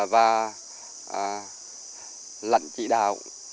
và lãnh trị đạo